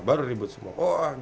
baru ribut semua